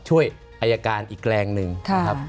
ช่วยอายการอีกแรงหนึ่งนะครับ